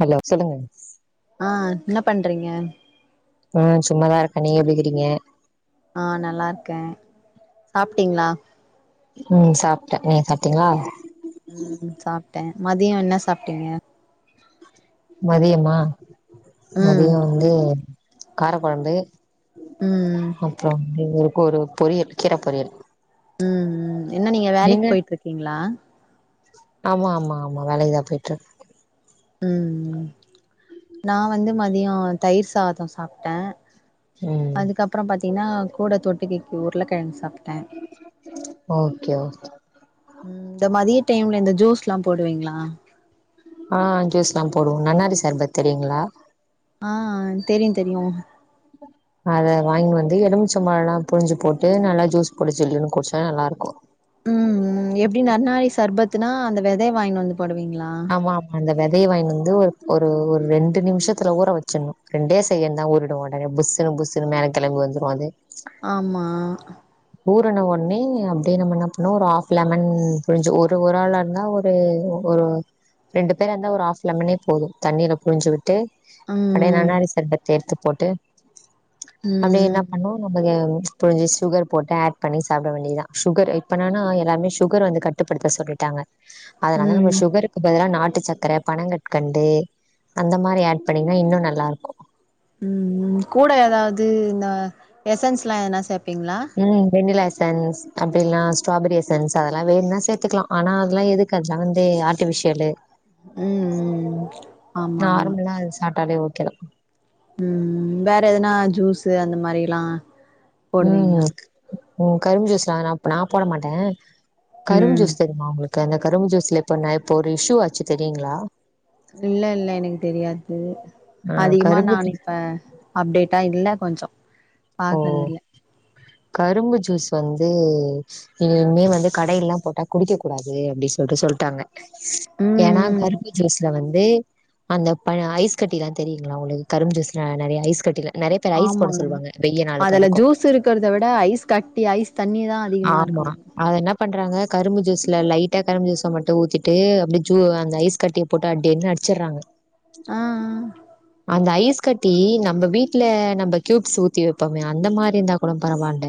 Hello சொல்லுங்க ஆ என்ன பண்றீங்க ம் சும்மாதா இருக்க நீங்க எப்டிக்கிறீங்க ஆ நல்லாருக்க சாப்ட்டீங்ளா ம் சாப்ட்டே நீங்க சாப்ட்டீங்ளா ம் சாப்ட்ட மதியோ என்ன சாப்ட்டீங்க மதியமா ம் மதியோ வந்து கார குழம்பு ம் ம் அப்புறோ வந்து எனக்கொரு பொரியல் கீர பொரியல் ம் ம் என்ன நீங்க வேலைக்கு போய்ட்டு இருக்கீங்ளா ஆமா ஆமா ஆமா வேலைக் தா போயிட்ருக் ம் ம் நா வந்து மதியோ தயிர் சாதோ சாப்ட்டே ம் அதுக்கப்புறோ பாத்தீங்கன்னா கூட தொட்டுக்கிக்கு உருளக்கிழங்கு சாப்ட்டே ஓகே ஓகே ம் இந்த மதிய டைம்ல இந்த ஜூஸ்ல்லா போடுவீங்களா ஆ ஜூஸ்ல்லா போடுவோ நன்னாரி சர்பத் தெரியுங்களா ஆ தெரியு தெரியு ப அத வாங்கின்னு வந்து எலுமிச்ச பழலா புழிஞ்சு போட்டு நல்லா ஜூஸ் போடு ஜில்லுன்னு குடிச்சா நல்லா இருக்கு ம் ம் எப்டி நன்னாரி சர்பத்துனா அந்த வெதைய வாயின்னு வந்து போடுவீங்களா ம்மாமா அந்த வெதைய வாயின்னு வந்து ஒரு ஒரு இரு ரெண்டு நிம்ஷத்துல ஊற வச்சர்ணு ரெண்டேஸ் என்ன ஊறிடும் உடனே புஸ்ஸுன்னு புஸ்ஸுன்னு மேல கெழம்பி வந்துரும் அது ஆமா ஊரன்ன ஒன்னே அப்டியே நம்ம என்ன பண்ணனும் ஒரு ஹாப் லெமன் புழிஞ்சு ஒரு ஒரு ஆளா இருந்தா ஒரு ஒரு ஒரு ரெண்டு பேரா இருந்தா ஒரு ஆஃப் லெமனே போதும் தண்ணீல புழிஞ்சு விட் ட்டு ம் அடே ம் நன்னாரி சர்பத் எடுத்துப் போட்டு ம் ப்டி என்ன பண்ணு நம்ம அ புழிஞ்சு சுகர் போட்டு ஆட் பண்ணி சாப்ட வேண்டியதுதா சுகர் இப்ப என்னன்னா எல்லாமே சுகர் வந்து கட்டுப்படுத்த சொல்லி ட்டாங்க அதனால நம்ம ம் சுகருக்கு பதிலா நாட்டுச் சக்கர பனங் கற் கண்டு அந்த மாரி ஆட் பண்ணீங்கனா இன்னு நல்லாருக்கு ம் ம் கூட ஏதாவது இந்த எஸ்சன்ஸ்லா எதனா சேப்பீங்களா ம் வெண்ணிலா எஸ்சன்ஸ் அப்டி இல்னா ஸ்ட்ராபெரி எஸ்சன்ஸ் அதெல்லா வேணுனா சேத்துக்கலா ஆனா அதெல்லா எதுக் கதுல வந்து ஆர்டிஃபிசேலு ம் ம் ஆமா ஆமா நார்மலா அது சாப்ட்டாலே ஓக்கேதா ம் வேற எதுனா ஜூஸ்ஸு அந்த மாரில்லா ம் ம்கரும்பு ஜூஸ்லா அது நா போட மாட்டே கரும்பு ம் ஜூஸ்ஸு ஆ உங்களுக்கு அந்த கரும்பு ஜூஸ்ல இப்ப நா இப்போ ஒரு இஷு ஆச்சு தெரியுங்களா இல்ல இல்ல எனக்கு தெரியாது ஆ அதிகமா கரும்பு நான் ஜூஸ் இப்ப அப்டேட்டா இல்ல கொஞ்சோ ஓ பாக்குறதில்ல கரும்பு ஜூஸ் வந்து நீங்க இனிமே வந்து கடையுலெல்லா போட்டா குடிக்க கூடாது அப்டி சொல்ட்டு சொல்ட்டாங்க ம் ஏன்னா ம் கரும்பு ஜூஸ்ல வந்து அந்த பழ ஐஸ் கட்டில்லா தெரியுங்களா உங்களுக்கு கரும்பு ஜூஸ்ல நெறையா ஐஸ் கட்டிலா நெறைய பேர் ஐஸ் ஆமா போட சொல்லுவாங்க வெய்ய நாளுக்கு அதுல அதுக்கு ஜூஸ் இருக்குறத விட ஐஸ் கட்டி ஐஸ் தண்ணிதா ஆமா அதுனப் பண்றாங்க கரும்பு ஜூஸ்ல லைட்டா கரும்பு ஜூஸ்ஸ மட்டு ஊத்திட்டு அப்டி ஜு அந்த ஐஸ் கட்டி போட்டு அடி அடிச்சுர்றாங்க ஆ ஆ அந்த ஐஸ் கட் ட்டி நம்ம வீட்ல நம்ம கியூப்ஸ் ஊத்தி வப்போமே அந்த மாரி இருந்தா கூட பரவால்ல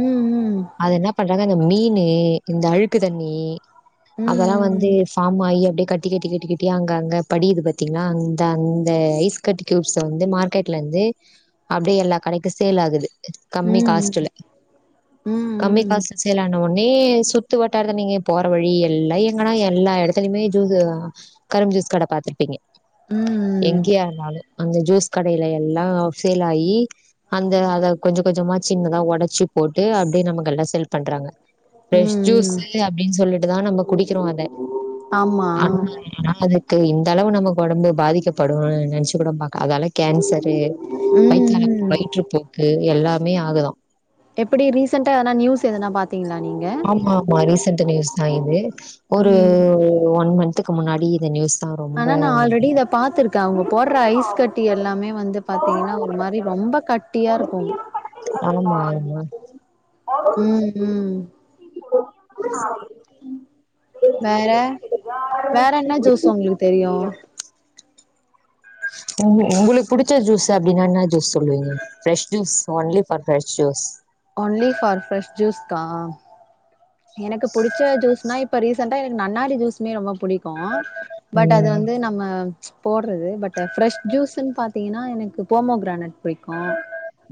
ம் ம் அது என்ன பண்றாங்க அந்த மீன் இந்த அழுக்கு தண்ணி அதல்லா ம் ம் வந்து ஆமா அய்யோ அப்டியே கட்டி கட்டி கட்டி கட்டியா அங்க அங்க படியுது பாத்தீங்கன்னா அந்த அந்த ஐஸ் கட்டி கியூப்ஸ வந்து மார்க்கெட்லேந்து அப்டியே எல்லா கடைக்கு சேல் ஆகுது ம் கம்மி ம் காஸ்ட்டுல கம்மி ம் காசுல சேல் ஆனா வொட்னே சுத்து வட்டாரத்துல நீங்க போற வழி எல்லா எங்கன்னா எல்லா எடத் த்துலயுமே ஜூஸ்ஸு கரும்பு ஜூஸ் கடை பார்த்திருப்பீங்க ம் எங்கையா அந்த ஆளு அந்த ஜூஸ் கடையில எல்லா சேலாயி அந்த அத கொஞ்ச கொஞ்சமா சின்னதா ஒடச்சுப் ட்டே அப்டியே நம்ம கடைல்ல சேல் பண்றாங்க ஃப்ரஸ் ம் ஜூஸ்ஸு அப்டின்னு சொல்லிட்டுதா நம்ம குடிக்கிறோ அத ஆமா ஆனா ஏனா அதுக்கு இந்தளவு நமக்கு ஒடம்பு பாதிக்கப்படுன்னு நெனச்சு கூட பாக்க அதாலை கேன்சரு ம் வயித்தடப்பு ம் வயிற்றுப்போக்கு எல்லாமே ஆகுதா எப்படி ரீசண்டா நா நீயுஸ் எதுனா பாத் த்திங்கலா நீங்க ஆமா ஆமா ரீசன்ட் நியூஸ் தா இது ஒரு ம் ஒன் மன்த்துக்கு முன்னாடி இது நியூஸ் தான் ரொம்ப ஆனா நா ஆல்ரெடி இத பாத்துருக் க்க அவுங்க போடுற ஐஸ் கட்டி எல்லாமே வந்து பாத்தீங்கன்னா ஒரு மாறி ரொம்ப கட்டியா இருக்கு ஆமா ஆமா உம் உம் வேற வேற என்ன ஜூஸ் உங்களுக்கு தெரியு உங்-உங்களுக்கு புடிச்ச ஜூஸ் அப்டின்னா என்ன ஜூஸ் சொல்லுவீங்க fresh juice only for fresh juice only for fresh ஜூஸ்கா எனக்கு புடிச்ச ஜூஸ்னா இப்ப ரீசென்டா எனக்கு நன்னாரி ஜூஸ்மே ரொம்ப புடிக்கு ப்போ பட் அது ம், வந்து நம்ம போடுறது பட் ஃப்ரெஷ் ஜூஸ்னு பாத்தீங்கன்னா எனக்கு போமோகிரானட் புடிக்கு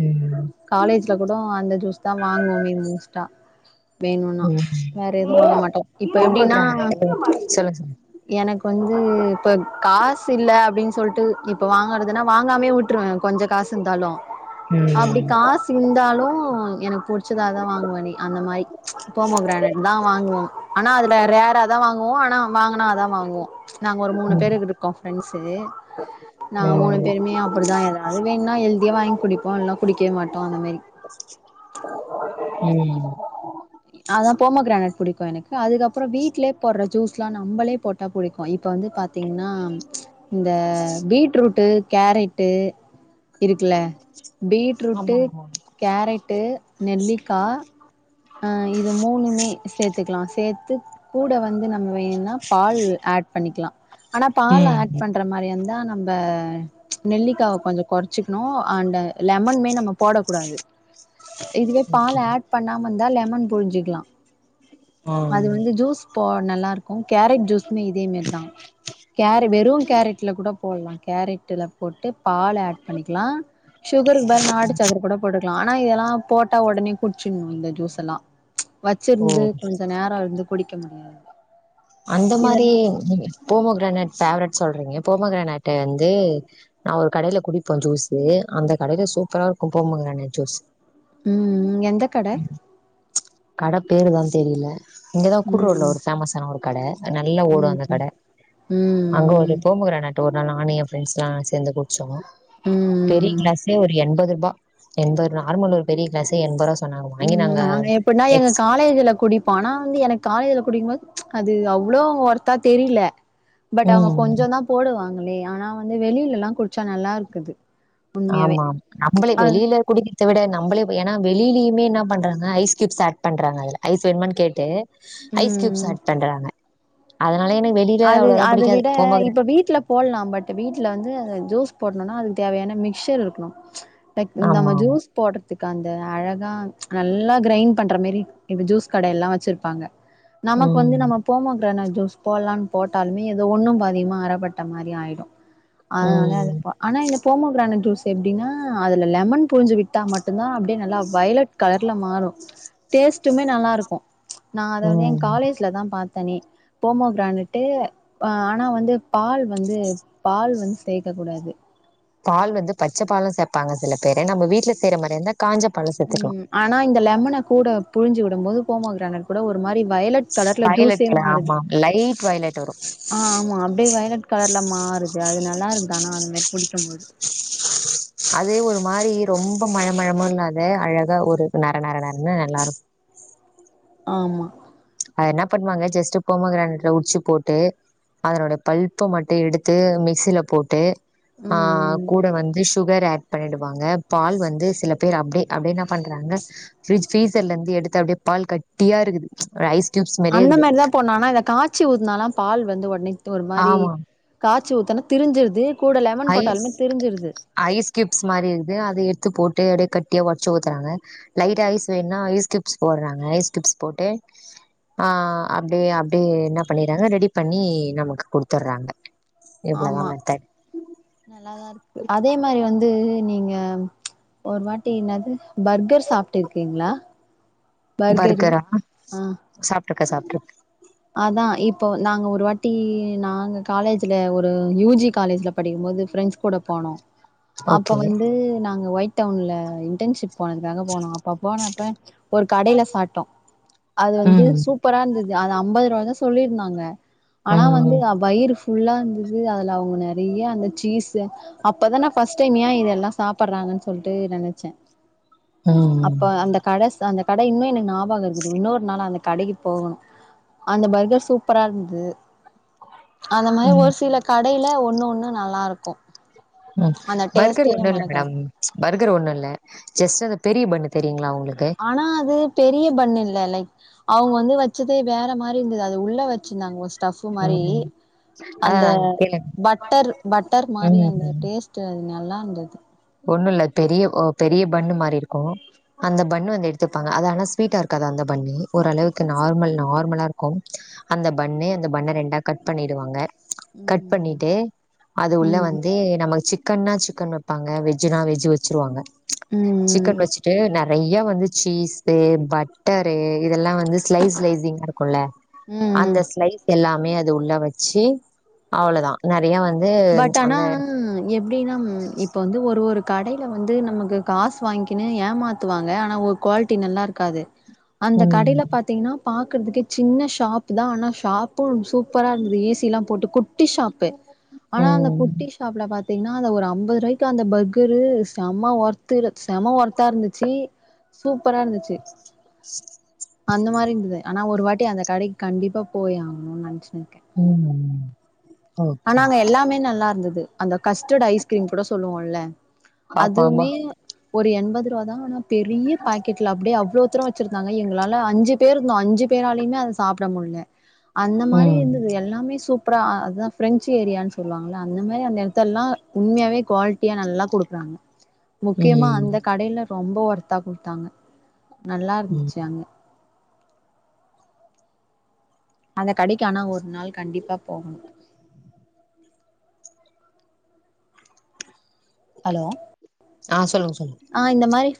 ம், காலேஜ்ல கூடோ அந்த ஜூஸ் தா வாங்குவோமே மோஸ்ட்டா வேணுன் ம். வேற எதுவு வாங்க மாட்டோ இப்ப எப்டின்னா போமோகிரானேட் சொல்லுங்க, எனக்கு வந்து இப்ப காசு இல்ல அப்டின் சொல்ட்டு இப்ப வாங்கறதுன்னா வாங்காமயே விட்டுருவ கொஞ்ச காஸ் இருந்தாலு சொல்லுங்க. அப்டி ம், காஸ் இந்தாலு எனக்கு புடிச்சதா தா வாங்குவனே அந்த மாரி போமோ கிரானேட் தா வாங்குவோ ஆனா அதுல ரேரா தா வாங்குவோ ஆனா வாங்குனா அதா வாங்குவோ நாங்க ஒரு மூணு ம், பேரு இருக்கோ ஃப்ரெண்ட்ஸு நாங்க மூணு ம், பேருமே அப்டிதா எல்லா அது வேணா ஹெல்தியா வாங்கி குடிப்போ இல்லன்னா குடிக்கவே மாட்டோ அந்த மாரி உம் அதா போமோ கிரானேட் புடிக்கு எனக்கு அதுக்கப்புறோ வீட்லயே போடுற ஜூஸ்ல்லா நம்மளே போட் புடிக்கு இப்ப வந்து பாத்தீங்ன்னா இந்த பீட்ரூட்டு கேரட்டு இருக்குல பீட்ரூட்டு ஆமா, ஆமா. கேரட்டு நெல்லிக்கா ஆஹ் இது மூணுமே சேத்துக்லா சேத்து கூட வந்து நம்ம வேணுனா பால் ஆட் பண்ணிக்கலா ஆனா பால் ஆட் ம். பண்ற மாறியாருந்தா நம்ப நெல்லிக்காவ கொஞ்சோ கொறச்சிக்கணு அண்டு லெமன்மெ நம்ம போடக்கூடாது இதுவே பால் ஆட் பண்ணா வந்தா லெமன் புழிஞ்சிக்கலா ஆ அது வந்து ஜூஸ் போ நல்லா இருக்கு கேரட் ஜூஸ் மே இதேமேரி தா கேர வெறு கேரட்ல கூட போட்லா கேரட்டுல போட்டு பால் ஆட் பண்ணிக்லா சுகருக்கு பதிலா நாட்டுச்சக்கர கூட போட்டுக் லா ஆனா இதெல்லா போட்டா ஒடனே குடிச்சிணு இந்த ஜூஸ்ல்லா ஓ வச்சிருந்து கொஞ்ச நேர இருந்து குடிக்க முடியாது அந்த மாறி இதெல்லா நீங்க போமோ கிரானேட் ஃபேவரட் சொல்றீங்க போமோ கிரானேட் வந்து நா ஒரு கடையில குடிப்பே ஜூஸூ அந்த கடையில சூப்பரா இருக்கு போமோ கிரானேட் ஜூஸ் உம் எந்தக்கட கடை பேருதா தெரிலே இங்கதா கூட்ரூர்ல ம் ஒரு ஃபேமஸ்ஸான ஒரு கட நல்லா ஓடு ம் அந்த ம் கட அங்க ஒரு ம் போமோ கிரானேட் ஒரு நாள் நானு என் பிரெண்ட்ஸ்லா சேந்து குடிச்சோ பெரிய ம் ம் கிளாஸ்லயே ஒரு எண்பது ரூபா எண்பரு நார்மல் ஒரு பெரிய க்ளாசே எண்பரூபா உம் நாங்க எப்பன்னா எங்க காலேஜ்ல குடிப் பனா வந்து எனக் காலேஜ்ல குடிக்கும்போது அது அவ்ளோ ஒர்த்தா தெரில பட் அவுங்க ம் கொஞ்சோந் தா போடுவாங்ளே ஆனா வந்து வெளியிலல்லா குடிச்சா நல்லா இருக்குது உண்மையாவே ஆமா நம்மளே அது வெளில குடிக்கிறத விட நம்பளே போய் ஏன்னா வெளியிலேய்மே என்ன பண்றாங்க ஐஸ்க்யூப்ஸ் ஆட் பண்றாங்க அதுல ஐஸ் வேணுமான்னு கேட்டு ஐஸ் ஸ்கூப்ஸ் ம் ஆட் பண்றாங்க அதனால எனக் வெளில அவ்ளோலா புடிக்காது போமோகிர போடலா பட் வீட்டுல வந்து ஜூஸ் போடணும்னா அதுக்கு தேவையான மிக்சர் இருக்கணு லைக் நம்ம ஆமா, ஆமா. ஜூஸ் போடுறதுக்கு அந்த அழகா நல்லா க்ரைண்ட் பண்ற மாரி இப்ப ஜூஸ் கடைல்லா வச்சிருப்பாங்க நமக்கு வந்து ம். நம்ம போமோகிரானைட் ஜூஸ் போடலாம்ன் போட்டாலுமே ஏதோ ஒண்ணு பாதியுமா அறப்பட்ட மாரி ஆயிடு அதனால அத ம். ஆனால் இந்த போமோ கிரானைட் ஜூஸ் எப்படின்னா அதில லெமன் புழிஞ்சு விட்டா மட்டுந்தா அப்படியே நல்லா வயலட் கலர்ல மாறு டேஸ்ட்டுமே நல்லாருக்கு நா அத வந்து எ ம். காலேஜ்லதா பாத்தேனே போமோ கிராணட் ட்டு ஆனா வந்து பால் வந்து பால் வந்து சேக்க கூடாது பால் வந்து பச்ச பாலு‌ சேப்பாங்க சில பேரு நம்ம வீட்ல செய்ற மாரியந்தா காஞ்ச பாலு சேத்துக்லா ம் ஆனா இந்த லெமன கூட புழ்ஞ்சி விடும்போது போமோகிரானட் கூட ஒரு மாரி வயலட் கலர்ல வயலட் ஜூஸே கலர் மாறுது ஆமா. லைட் வயலட் வரும். ஆ ஆமா அப்படியே வயலட் கலர்ல மாறுது அது நல்லாருக்குது ஆனா அந்த மாரி குடிக்கும் போது அதே ஒரு மாரி ரொம்ப மழை மழமும் இல்லாத அழகா ஒரு நர நர நரன்னு நல்லாருக்கு ஆமா அது என்ன பண்ணுவாங்க ஜஸ்ட் போமா கிரணட்ல உரிச்சு போட்டு அதனுட பல்ப்ப மட்டு எடுத்து மிக்சில போட்டு ம் ஆ ம் கூட வந்து சுகர் ஆட் பண்ணிடுவாங்க பால் வந்து சில பேர் அப்படியே அப்டி என்ன பண்றாங்க பிரிஜ் ஃப்ரீசர்லந்து எடுத்து அப்டியே பால் கட்டியா இருக்குது ஒரு ஐஸ் கியூப்ஸ் மாரியே இருக்குது அந்தமேர்தா போனோ ஆனா இத காச்சி ஊத்னாலு பால் வந்து ஒட்னே ஒரு மாரி ஆமா காச்சி ஊத்தன திரிஞ்சிர்து கூட லெமன் ஐஸ் போட்டாலுமே திரிஞ்சிர்து ஐஸ் க்யூப்ஸ் மாரி இருக்குது அத எட்த்து போட்டு அப்டியே கட்டியா ஒட்ச்சு ஊத்துறாங்க லைட் ஐஸ் வேணும்னா ஐஸ் கியூப்ஸ் போடுறாங்க ஐஸ் கியூப்ஸ் போட்டு ஆ அப்டியே அப்டியே என்ன பண்ணிகிறாங்க ரெடி பண்ணி நமக்கு குட்துர்றாங்க ஆமா நலாமட்டே நல்லாதா இருக்கு அதே மாரி வந்து நீங்க ஒரு வாட்டி என்னாது பர்கர் சாப்ட்டு இருக்கீங்களா பர்கரு பர்கரா ஆ சாப்ட்ருக்க சாப்ட்ருக் அதா இப்போ வந் நாங்க ஒரு வாட்டி நாங்க காலேஜ்ல ஒரு யூ ஜி காலேஜ்ல படிக்போது ஃப்ரெண்ட்ஸ் கூட போணோ [inaudible] அப்ப வந்து நாங்க ஒயிட் டவுன்ல இன்டர்ன்ஷிப் போனதுக்காக போனோ அப்ப போனப்ப ஒரு கடைல சாட்டோ அது வந்து ம் சூப் ப்பரா இருந்தது அது ஐம்பது ரூபா தான சொல்லிருந்தாங்க ஆனா வந்து ம் வயிரு ஃபுல்லா இருந்தது அதில அவங்க நெறைய அந்த சீஸ் அப்பதா‌ நா ஃபஸ்ட் டைம் ஏ இத எல்லா சாப்பற்றாங்கன் சொல்ட்டு நெனைச்சே ம் ம் அப்போ அந்த கட அந்த கட இன்னு எனக் ஞாபக இருக்குது இன்னொரு நாள் அந்த கடக்கி போகுணு அந்த பர்கர் சூப்பரா இர்ந்து அந்த மாரி ம் ஒர் சில கடையில ஒன்னு ஒன்னு நல்லாருக்கு ம் பர்கர் ஒன்னு இல்ல மறக்காது மேடம் பர்கர் ஒன்னுல்ல ஜஸ்ட் அந்த பெரிய பண்ணு தெரியுங்ளா உங்ளுக்கு ஆனா அது பெரிய பண் இல்ல லைக் அவங்க வந்து வச்சதே வேற மாதிரி மீந்தத அத உள்ள வச்சிர்ந்தாங்க டப்பு மாரி ம் அதா அந்த கேளுங்க பட்டர் பட்டர் மாரி அந்த ம் டேஸ்ட் விட்டு அது நல்லாருந்தது ஒண்ணு இல்ல பெரிய ஒ பெரிய பண்ணு மாரி இருக்கு அந்த பண்ணு வந்து எடுத்துப்பாங்க அது ஆனா ஸ்வீட்டா இருக்காது அந்த பண்ணு ஓரளவுக்கு நார்மல் நார்மலா இருக்கும் அந்த பண்ணு அந்த பண்ண ரெண்டா கட் பண்ணிடுவாங்க கட் ம் பண்ணிட்டு அது உள்ள ம் வந்து நமக்கு சிக்கன்னா சிக்கன் வப்போ வாங்க வெஜ்னா வெஜ் வச்சுருவாங்க சிக்கன் ம் வச்சிட்டு ந நெறைய வந்து சீஸு பட்டரு இதெல்லா வந்து ஸ்லைஸ் ஸ்லைஸிங்கா இருக்குல்ல அந்த ம் ஸ்லைஸ் எல்லாமே அது உள்ள வச்சு அவ்வளதா நெறைய வந்து அந்த எப்டினா இப்போ வந்து ஒரு ஒரு கடேல வந்து நமக்கு காசு வாங்கின்னு ஏமாத்துவாங்க ஆனா ஒ குவாலிட்டி நல்லா இருக்காது [inaudible] அந்த கடையில பாத் பாத்தீங்கன்னா பாக்கறதுக்கே சின்ன ஷாப்பு தா ஆனா ஷாப்பு சூப்பரா இருந்தது ஏசில்லா போட்டு குட் குட்டி ஷாப்பு ஆனா அந்த ம் குட்டி ஷாப்ல பாத்தீங்கன்னா அந்த ஒரு அம்பது ரூபாக்கு அந்த பர்கரு செம ஒர்த்து செம ஒர்த் த்தா இருந்துச்சி சூப்பரா இருந்துச்சு அந்த மாரி இருந்தது ஆனா ஒரு வாட்டி அந்த கடைக்கு கண்டிப்பா போய் ஆகணுனு நெனச்சுருக்கே இருக்கேன் ம் ம் ஓகே ஓகே ல்லாமே நல்லா இருந்தது அந்த கஸ்டட் ஐஸ்கிரீம் கூட சொல்லுவோல்ல ஆமாமா அதுமே ஒரு எண்பது ரூபா தா ஆனா பெரிய பாக்கெட்ல அப்டியே அவ்ளோ தருவாங்க வச்சிருந்தாங்க எங்களால அஞ்சு பேர் இருந்தோ அஞ்சு பேராலயுமே அத சாப்ட முல்ல அந்த மாரி ம் இருந்தது எல்லாமே சூப்பரா அதுதா ஃபிரன்சு ஏரியான் சொல்லுவாங்கல்ல அந்த மாரி அந்த எடத்லல்லா உண்மையாவே குவாலிட்டியா நல்லா குடுக்குறாங்க முக்கியமா ம் அந்த கடேல ரொம்ப ஒர்த்தா குடுத்தாங்க நல்லா ம் இருந்துச்சு அங்க அந்த கடைக்கு ஆனா ஒரு நாள் கண்டிப்பா போகணு ஹலோ ஆ சொல்லுங்க சொல்லுங்க ஆ இந்த மாரி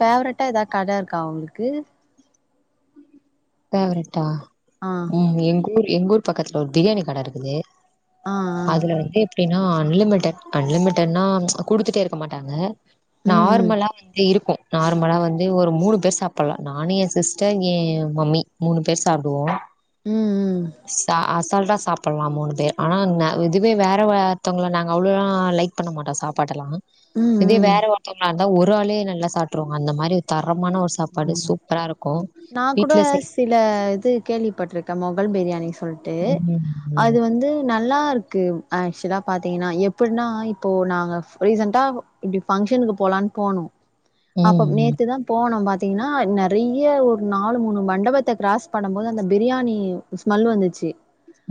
ஃபேவரட்டா எதாவது கட இருக்கா உங்களுக்கு பேவரட்டா ஆ ம் எங்கூர் எங்கூர் பக்கத்துல ஒரு பிரியாணி கட இருக்குது ஆ ஆ அதுல வந்து எப்டின்னா அன்லிமிடட் அன்லிமிட்டட்னா குடுத்துட்டே இருக்க மாட்டாங்க ம் நார்மலா வந்து இருக்கு நார்மலா வந்து ஒரு மூணு பேர் சாப்பிட்லா நானு என் சிஸ்டர் எ மம்மி மூணு பேர் சாப்டுவோ ம் ம் ம் சா அஸ் அசால்ட்டா சாப்பல்லா மூணு பேர் ஆனா ந இதுவே வேற வ ஒருத்தவுங்கள நாங்க அவ்ளோலா லைக் பண்ண மாட்டோ சாப்பாட்டல்லா ம் இதே ம் வேற ஒருத்தவுங்களா இருந்தா ஒரு ஆளே நல்லா சாப்ட்ருவாங்க அந்த மாரி தரமான ஒரு சாப்பாடு சூப்பரா இருக்கு நா கூட வீட்ல செய் சில இது கேள்விப்பட்டிருக்கே மொகல் பிரியாணி சொல்ட்டு ம் ம் அது வந்து நல்லாருக்கு ஆக்சுவலா பாத்தீங்கன்னா எப்பிட்னா இப்போ நாங்க ரீசன்ட்டா இப்டி ஃபங்சனுக்கு போகலான் போனோ அப்ப ம் நேத்துதா போனோ பா பாத்தீங்கன்னா நெறைய ஒரு நாலு மூணு மண்டபத்த கிராஸ் பண்ணம் போது அந்த பிரியாணி ஸ்மல் வந்துச்சு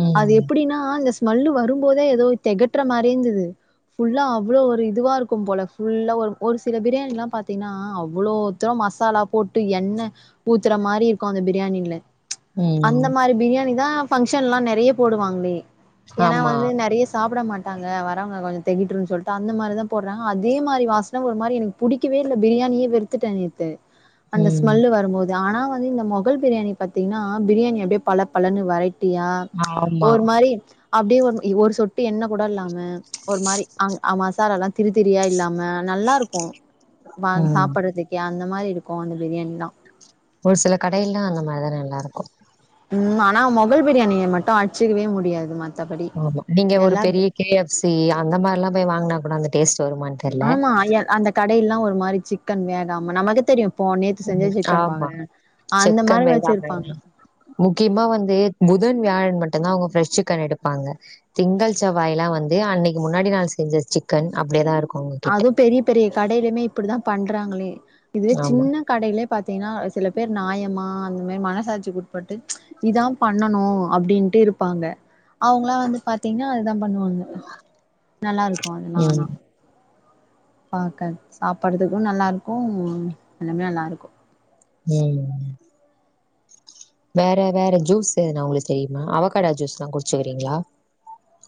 ம் அது ம் எப்புடினா அந்த ஸ்மெல்லு வரும்போதே எதோ தெகட்டுற மாரி இருந்தது ஃபுல்லா அவ்ளோ ஒரு இதுவா இருக்கு போல ஃபுல்லா ஒரு ஒரு சில பிரியாணி எல்லா பாத்தீங்கன்னா அவ்ளோ து மசாலா போட்டு எண்ண ஊத்துற மாரி இருக்கு அந்த பிரியாணில அந்த ம் மாரி பிரியாணி தா ஃபங்ச்ன்லா நெறைய போடுவாங்களே ஏனா ஆமா வந்து நெறைய சாபுட மாட் வரமிளகா கொஞ்சோ திகிட்டுதுனு சொல்லிட்டு அந்த மாரிதா போட்றாங் அதே மாரி வாசன ஒரு மாரி எனக்கு பிடிக்கவே இல்ல பிரியாணியே வெறு வித்துட்ட நேத்து அந்த ம் ஸ்மல்லு வரும்போது ஆனா வந்து இந்த மொகல் பிரியாணி பாத்தீங்கன்னா பிரியாணி அப்டியே பல பலனு வரைட் டியா ஆமா ஒரு மாரி அப்டியே ஒரு இ ஒரு சொட்டு எண்ண கூட இல்லாம ஒரு மாரி அ ஆ மசாலா எல்லா திரித்திரியா இல்லாம நல்லாருக்கு வாங்கி ம் சாப்பற்றதுக்கே அந்த மாரி இருக் கு அந்த பிரியாணிதா ஒரு சில கடையெல்லாஅந்த மாரி நல்லா இருக்கூ ம் ஆனா மொகல் பிரியாணிய மட்டு அட்ச்சிக்கவே முடியாது மத்தபடி ஆமா நீங்க ஒரு எல்லா பெரிய கே எஃப் சி அந்த மாரில்லா போய் வாங்கினா கூட அந்த டேஸ்ட் வருமான் ஆமா அய அந்த கடைல்லா ஒரு மாரி சிக்கன் வேகாம நமக்கு தெரியும் இப்போ நேத்து செஞ்ச சிக்கன் ஆமா. பாறே அந்த சிக்கன் மாரி வேகாம வச்சிருப்பாங்க முக்கியமா வந்து புதன் வியாழன் மட்டும்தா அவங்க ஃப்ரெஷ் சிக்கன் எடுப்பாங்க திங்கள் செவ்வாயிலா வந்து அன்னைக்கு முன்னாடி நாள் செஞ்ச சிக்கன் அப்டியேதா இருக்கு அது பெரிய பெரிய கடையிலுமே இப்படிதா பண்றாங்களே இதுவே ஆமா. சின்ன கடையிலே பாத்தீங்கன்னா சில பேர் நாயமா அந்த மாரி மனசாட்சிகுட் பட்டு இதா பண்ணணு அப்டின்ட்டு இருப்பாங்க அவங்களாம் வந்து பாத்தீங்கன்னா இதா பண்ணுவாங் நல்லா இருக்கு அதெல்லா ஆனா ம். பாக்கன் சாப்பிறதுக்கு நல்லாருக்கு எல்லாமே நல்லாருக்கு ம் வேற வேற ஜூஸ் எதனா உங்களுக்கு தெரியுமா அவகடா ஜூஸ்லா குடிச்சுக்கிறீங்களா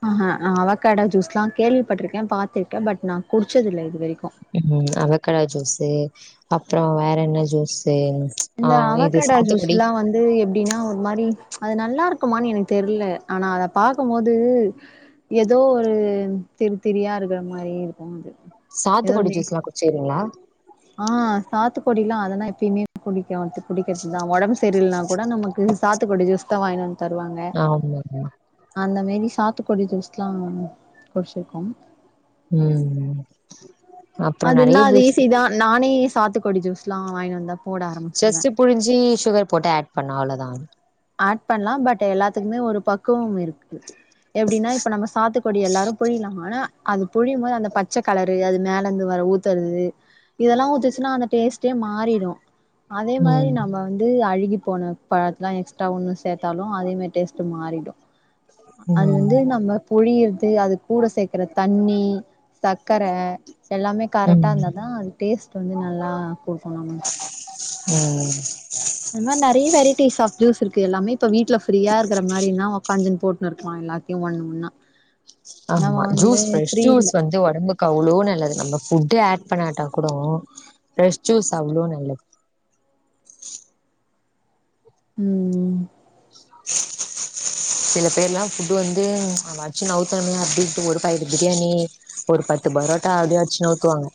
ஆஹ நா அவக்கடா ஜூஸ்லா கேள்விப்பட்டிருக்கே பாத்திருக்கே பட் நா குடிச்சதில்ல இது வரைக்கு ம் அவக்கடா ஜூஸு அப்ரோ வேற என்ன ஜூஸு ஆ இந்த இது அவகடா சாத்துக்குடி. ஜூஸ்லா வந்து து எப்டினா ஒரு மாரி அது நல்லாருக்குமானு எனுக் தெர்ல ஆனா அதப் பாக்கும்மோது ஏதோ ஒரு திரித்திரியா இருக்குற மாரி இருக்கூ அது ஏதோ சாத்துக்கொடி நெ ஜூஸ்லா குச்சுறீங்களா ஆ சாத்துக்கொடிலா அதெல்லா எப்பயுமே குடிக்கோ அது குடிக்கிறதுதா உடம்பு சரியில்னா கோட நமக்கு சாத்துக்கொடி ஜூஸ் தா வாங்கினு வந்து தருவாங்க ஆமாங்க. அந்த மேரி சாத்துக்கொடி ஜூஸ் ட்லாம் குடிச்சிருக்கோம் ம் ம் அது என்னா அது ஈஸி தா நானே சாத்துக்குடி ஜூஸ்லா வாங்கினு வந்தா போட ஆரம்பிச்சிருவே ஜஸ்ட் புழிஞ்சி சுகர் போட்டு ஆட் பண்ணா அவ்ளோதான் ஆட் பண்லா பட் எல்லாத்துக்குமே ஒரு பக்குவம் இருக்கு எப்டின்னா இப்ப நம்ம சாத்துக்குடி எல்லாரு புழியலாம ஆனா அது புழியும் போது அந்த பச்சை கலரு அது மேலேந்து வர ஊத்துறது இதெல்லா ஊத்துச்சுன்னா அந்த டேஸ்ட் டே மாறிடு அதே மாரி ம் நம்ம வந்து அழுகி போன பழத்தலா எக்ஸ்ட்ரா ஒன்னு சேத் த்தாலு அதே மாரி டேஸ்ட் மாறிடு அது ம் வந்து நம்ம புழியரது அது கூட சேக் கிறத் தண்ணி சக்கர எல்லாமே ம் கரெக்டா இருந்தா தா அது டேஸ்ட் வந்து நல்லா குடுக்கு நமக்கு ம் அது மாரி நெறைய வெரைட்டிஸ் ஆப் ஜூஸ் இருக்கு எல்லாமே இப்ப வீட்ல ஃப்ரீயா இருக்கற மாரின்னா உக்காஞ்சின்னு போட்டு எல்லாத்தையு ஒண்ணு ஒண்ணா நம்ம ஆமா வந்து ஜூஸ் ஃப்ரெஷ் ஃப்ரீ ஜூஸ் வந்து ஒடம்புக் அவ்ளோ நல்லது நம்ம ஃபுட்டு் ஆட் பண்ணாட்டா கூடோ ஃப்ரெஷ் ஜூஸ் அவ்ளோ நல்லது ம் ம் சில பேர்ல்லா ஃபுட் வந்து அட்ச்சு நவுத்தனுமே அப்டின்ட்டு ஒரு பாக்கெட்டு பிரியாணி ஒரு பத்து பரோட்டா அப்டியே அச்சி நவுத்துவாங்க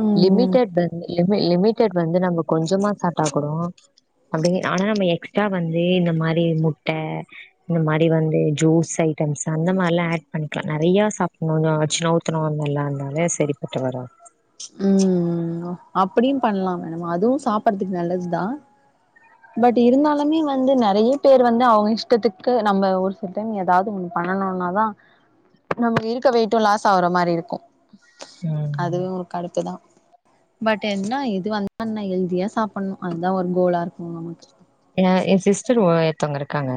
ம் லிமிடெட் பந்து லிமி லிமிடெட் வந்து நம்ம கொஞ்சமா சாப்டா கூடோ அப்டிங் ஆனா நம்ம எக்ஸ்ட்ரா வந்து இந்த மாரி முட்ட இந்த மாரி வந்து ஜூஸ் ஐட்டம்ஸ் அந்த மாரிலா ஆட் பண்ணிக்கலா நெறைய சாப்புணும்னு அச்சி நவுத்து [unintelligible] சரிப்பட்டு வரு ம் அப்டியும் பண்ணலா மேம் அதுவு சாப்படுறதுக்கு நல்லது தா பட் இருந்தாலுமே வந்து நறைய பேர் வந்து அவங்க இஷ்டத்துக்கு நம்ம ஒரு சில டைம் எதாவது ஒன்னு பண்ணனும்னாதா நமக்கு இருக்க வெயிட்டும் லாஸ் ஆகுற மாரி இருக்கும் ம் அதுவு கடுப்புதா பட் என்னா எது வந்தா என்ன ஹெல்தியா சாப்டணு அதுதான் ஒரு கோலா இருக்கும் நமக்கு எ எ சிஸ்டர் ஏ ஒருத்தவங்க இருக்காங்க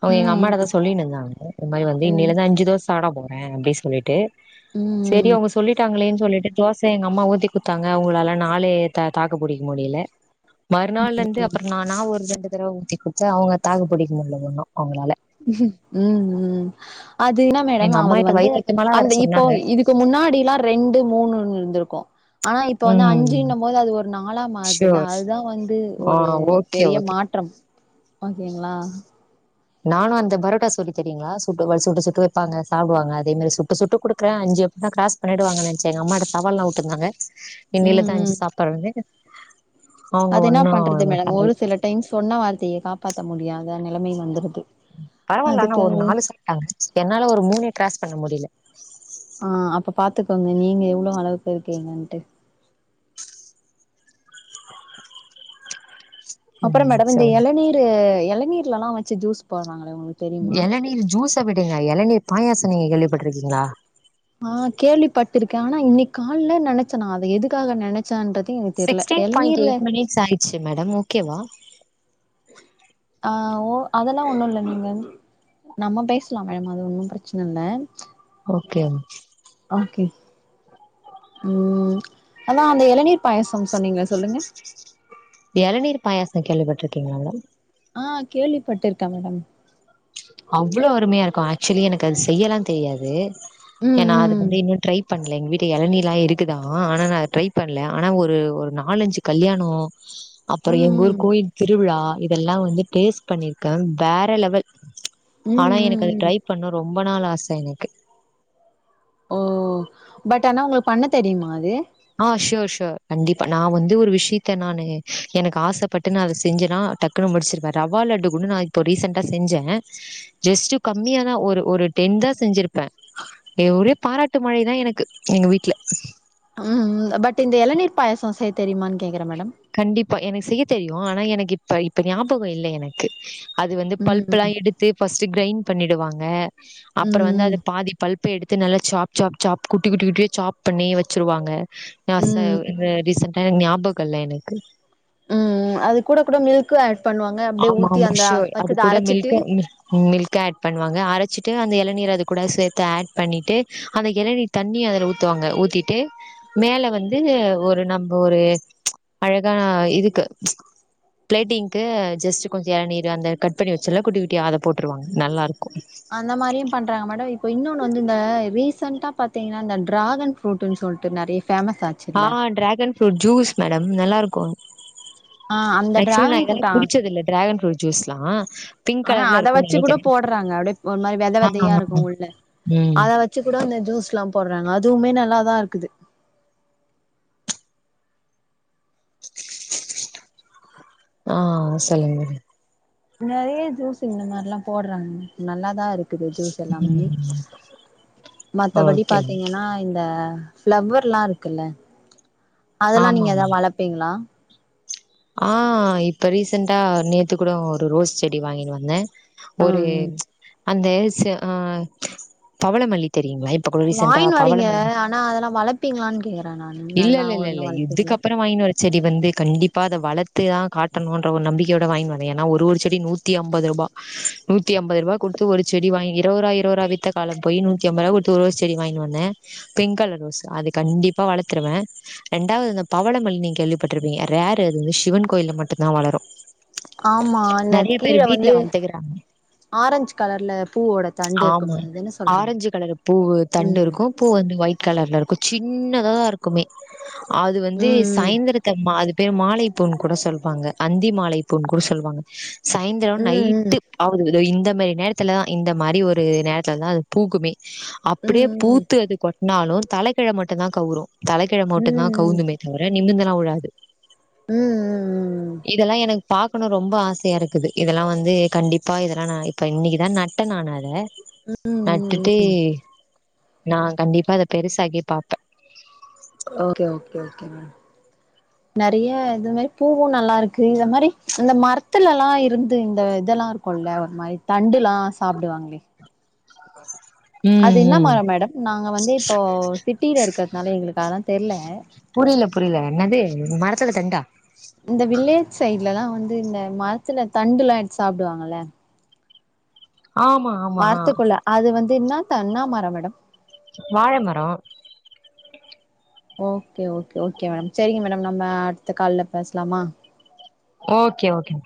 அவங்க எங்க ம் அம்மாட தா சொல்லின்டுந்தாங்க இந்த மாரி வந்து என்ன இன்னில இருந்து அஞ்சு தோச சாப்பிட போறே அப்டின் சொல்லிட்டு சேரி ம் அவங்க சொல்லிட்டாங்களேன் சொல்லிட்டு தோசய எங்க அம்மா ஊத்தி குடுத்தாங்க அவங்களால நாளே தாக்க பிடிக்க முடியல மறுநாள்ல இருந்து நான்னா ஒரு ரெண்டு தடவ ஊத்தி கொடுத்தே அவங்க தாக்கு புடிக்க முடியல ஒன்னு அவங்களால உம் உம் அது இனா மேடம் எங்க அவரு அம்மாகிட்ட வந்து வந்து வயிறு வைத்தியமாலாம் வேற அந்த இப்போ சொன்னாங்க. இதுக்கு முன்னாடில்லா ரெண்டு மூணுனு இருந்துருக்கும். ஆனா இப்ப வந்து ம் அஞ்சுன்னம் போது அது ஒரு நாலா மாறுது இல்ல ஷோர் ஷோ அதுதா வந்து ஆ ஒரு ஓகே பெரிய ஓகே மாற்றம் ஓகேங்களா நானும் அந்த பரோட்டா சூரி தெரியுங்களா சுட்டு வ சுட்டு சுட்டு வைப்பாங்க சாப்டுவாங்க அதே மாரி சுட்டு சுட்டு குடுக்கறே அஞ்சு எப்புனா க்ராஸ் பண்ணிடுவாங்கன் நென்ச்ச எங்க அம்மாட்ட சவால்லா உட்டுருந்தாங்க ம் இன்னியிலுந்து அஞ்சு ம் சாப்பாடுனு. அது என்ன பண்றது மேடம் ஒரு சில டைம் சொன்ன வார்த்தைய காப்பாத்த முடியாத நிலைமை வந்துருது பரவால்ல ஆனா அதுக்கு ஒரு நாலு சாப்ட்டாங்க என்னால ஒரு மூணே கிராஸ் பண்ண முடில ஆ அப்ப பாத்துக்கோங்க நீங்க எவ்ளோ அளவுக்கு இருக்கீங்கன்ட்டு அப்பறம் ம் மேடம் இந்த சொல்லுங்க இளநீரு எளனீர்லலா வச்சு ஜூஸ் போடுறாங்கலே ஒங்களுக் இளநீர் ஜூஸ விடுங்க இளநீர் பாயாசம் நீங்க கேள்விப்பட்டிருக்கீங்களா ஆ கேள்விப்பட்டிருக்க ஆனா இன்னைக்கு கால்ல நெனச்ச நா அத எதுக்காக நெனச்சன்றதே சிக்ஸ்டீன் பாயிண்ட் எயிட் மினிட்ஸ் ஆயிடுச்சு மேடம் ஓகேவா? ஆ ஓ அதெல்லா ஒண்ணு இல்ல நீங்கன் நம்ம பேசலாம் மேடம் அது ஒன்னு பிரச்சனை இல்ல ஓகே ஓகே ம் அதா அந்த இளநீர் பாயசம் சொன்னீங்களே சொல்லுங்க எளநீர் பாயாசம் கேள்விப்பட்டுருக்கீங்களா மேம் ஆ கேள்விப்பட்டிருக்க மேடம் அவ்ளோ அருமையா இருக்கு ஆக்ச்சுவலி எனக்கு அது செய்யலா தெரியாது. ம் ஏன்னா அது ம் வந்து இன்னு ட்ரை பண். இல்ல எங்க வீட்ல எலனீர்லா இருக்குதா ஆனா அத நா ட்ரை பண்ல ஆனா ஒரு ஒரு நாலஞ்சு கல்யாணோ ம் அப்பறோ எங்க ஊர் ம் கோயில் திருவிழா இதெல்லா வந்து டேஸ்ட் பண்ணிருக்கே வேற லெவல் ம் ஆனா எனக்கு ம் அது ம் ட்ரை பண்ணு ரொம்ப நாள் ஆச எனக்கு ஓ பட் ஆனா உங்களுக்கு பண்ண தெரியுமா அது ஆ ஷோர் ஷோர் கண்டிப்பா நா வந்து ஒரு விஷயத்த நானு எனக்கு ஆசைப்பட்டு ந அத செஞ்சனா டக் டக்குனு முடிச்சிருவே ரவா லட்டு கூட நா இப்போ ரீசெண்டா செஞ்ச ஜஸ்ட் கம்மியாதா ஒரு ஒரு டென் தா செஞ்சிருப்ப ஒரே பாராட்டு மழைதா எனக்கு எங்க வீட்ல ம் ம் பட் இந்த எளநீர் பாயசோ செய்ய தெரியுமான்னு கேக்கற மேடம் கண்டிப்பா எனக்கு செய்ய தெரியு ஆனா எனக்கு இப்ப இப்ப ஞாபகோ இல்ல எனக்கு அது வந்து பல்ப் எல்லா ம் எடுத்து ஃபர்ஸ்ட் கிரைண்ட் பண்ணிடுவாங்க அப்புற வந்து ம் அது பாதி பல்ப் பல்ப் எடுத்து நல்லா சாப் சாப் சாப் குட்டி குட்டி குட்டியா சாப் பண்ணி வச்சிருவாங்க நா ச ம் ம் ரீசென்டா என் ஞாபக இல்ல எனக்கு ம் அது கூட கூட மில்க்கு ஆட் பண்ணுவாங்க அப்டியே ஆமா, ஊத்தி அந்த பச்சத அரச்சிட்டு மில்க் ஆட் பண்ணுவாங்க அரச்சிட்டு அந்த இளநீர் அது கூட சேத்து ஆட் பண்ணிட்டு அந்த இளநீர் தண்ணிய அதுல ஊத்துவாங்க ஊத்திட்டு மேல வந்து ஒரு நம்ப ஒரு அழகா இதுக்கு ச் பிளேட்டிங்க்கு ஜெஸ்ட் கொஞ்சோ இளநீரு அந்த கட் பண்ணி வச்சோல்ல குட்டி குட்டியா அத போட்டுருவாங்க நல்லாருக்கு ம் அந்த மாரியு பண்றாங்க மேடோ இப்ப இன்னொன்னு வந்து இந்த ரீசென்ண்டா பாத்தீங்கனா இந்த ட்ராகன் ஃப்ரூட்டுன்னு சொல்ட்டு நறைய பேமஸ்ச ஆ ட்ராகன் ஃப்ரூட் ஜூஸ் மேடம் நல்லாருக்கு ஆ அந்த ஆக்சுலி நா டிராகன் இதல்லா ஃப்ரூட்டா குடிச்சதில்ல டிரகன் ஃப்ரூட் ஜூஸ்ல்லா பிங்க் கலர்ல இருக்குன்னு நினக்கிறே போட்றாங்க அப்டியே ஒரு மாரி வெதவெதையா இருக்கு ஒன்னு ம் அத வச்சு கூட அந்த ஜூஸ்ல்லா போட்றாங்க அதுவுமே நல்லாதா இருக்குது ஆ சொல்லுங்க நறைய ஜூஸ் இந்த மார்ல்லா போட்றாங்க நல்லாதாருக் க்குது ஜூஸ் எல்லாமே ம் மத்தபடி ஓகே பாத்தீங்கனா இந்த ஃப்ளவர்ல்லா இருக்குல்ல அதல்லா ஆமா ஆமா. நீங்க ஏதாவது வளப்பீங்களா ஆ இப்ப ரீசென்டா நேத்து கூட ஒரு ரோஸ் செடி வாங்கினு வந்தே ஒரு ம் ம் அந்த செ ஆ பவளமல்லி தெரியுங்களா இப்ப கூட ரீசெண்டா வாங்கினு வரீங்க பவளமல்லி ஆனா அதல்லா வளபீங்களானு கேக்குற நானு நல்லா ஒ்ழுங்கா வளப்பீங்களா வாங்கினு வர செடி வந்து கண்டிப் அப்ப அத வளத்து தா காட்டணுன்ற ஒரு நம்பிக்கையோட வாங்கி வந்த ஏனா ஒரு ஒரு செடி நூத்தி ஐம்பது ரூபா நூத்திஅம்பதுருவா கொடுத்து ஒரு செடி வாங்கி இருவருவா இருவருவா வித்த காலம் போய் நூத்தி அம்ப ருவா த்து ரோஸ் செடி வாங்கினு வந்தே பிங்க் கலர் ரோஸ் அது கண்டிப்பா வளத்துருவே ரெண்டாவுது இந்த பவளமல்லின் நீங்க கேள்விப்பட்ருப்பீங்க ரேரு அது வந்து சிவன் கோயில மட்டுதா வளரு ஆமா அந்த கீழ வந்து வளர்த்துக்கிறாங்க. ஆரஞ்ச் கலர்ல பூவோட தண்டு ஆமா இருக்குமே அதுதானே சொல்றீங்க ஆரஞ்சு கலரு பூவு தண்டு ம் இருக்கு பூ வந்து ஒயிட் கலர்ல இருக்கு சின்னதா தாருக்குமே அது வந்து ம் சாயந்திரத்தமா அது பெரும் மாலைப்பூன்னு கூட சொல்வாங்க அந்தி மாலை பூனு கூட சொல்லுவாங்க சாயந்திரோ ம் நைட்டு [unintelligible] இந்த மாரி நேரத்துலதா இந்த மாரி ஒரு நேரத்துலதா அத் பூக்குமே ம் ம் அப்டியே ம் பூத்து அது கொட்னாலு தலக்கிழா மட்டுதா கவுரு தல கிழ ம் ம் மட்டுந்தா ம் கவுந்துமே தவிர நிமிந்துல்லா உழாது ம் ம் இதல்லா எனக் பாக்கணு ரொம்ப ஆசயாருக்குது இதல்லா வந்து கண்டிப்பா இதல்லா நா இப்ப இன்னக்கிதா நா பா நானத ம் ம் நட்டுட்டு நா கண்டிப்பா அத பெருசாகி பாப்பே ஓகே ஓகே ஓகே மேம் நெறய இது மாரி பூவு நல்லா இருக்கு இத மாரி அந்த மரத்துல எல்லா இருந்து இந்த இதல்லா கொல்ல ஒரு மாரி தண்டுலா சாப்டுவாங்களே [inaudible] அது என்ன ம் மரோ மேடம் நாங்க வந்து இப்போ சிட்டில இருக்கறதுனால எங்களுக்கு அதா தெர்ல புரியல புரியல என்னது மரத்துல தண்டா இந்த வில்லேஜ் சைட்லல்லா வந்து இந்த மரத்துல தண்டெல்லா எடுத்து சாப்டுவாங்கல்ல ஆமா ஆமா ஆ மர்த்துக்குள்ள அது வந்து என்ன தன்னா மர மேடம் வாழ மரோ ஓகே ஓகே ஓகே மேடம் செரிங்க மேடம் நம்ம அடுத்த கால்ல பேஸ்லாமா ஓகே ஓகேங்